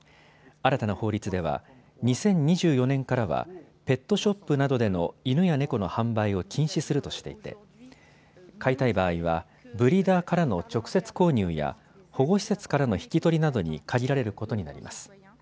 新たな法律では２０２４年からはペットショップなどでの犬や猫の販売を禁止するとしていて飼いたい場合はブリーダーからの直接購入や保護施設からの引き取りなどに限られることになります。